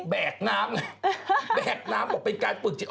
แบกน้ำแบกน้ำออกไปการปืน